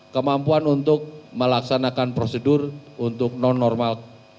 kemampuan untuk melaksanakan prosedur untuk non normal